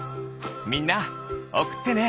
みんなおくってね！